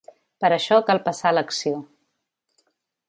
Per això cal passar a l’acció.